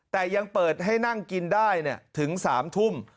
แต่ยังเปิดให้นั่งกินได้ถึง๓ทุ่ม